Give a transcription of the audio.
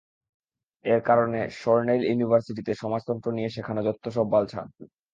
এর কারণ সরনেইল ইউনিভার্সিটিতে সমাজতন্ত্র নিয়ে শেখানো যত্তসব বালছাল।